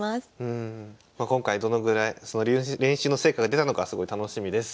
今回どのぐらいその練習の成果が出たのかすごい楽しみです。